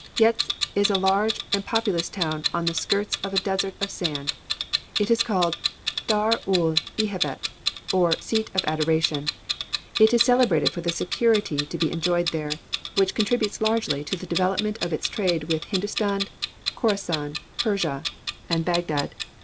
Yezd is a large and populous town on the skirts of a desert of sand. It is called "Dar oul Ehabet" or "The Seat of Adoration." It is celebrated for the security to be enjoyed there, which contributes largely to the development of its trade with Hindustan, Khorassan, Persia, and Bagdad.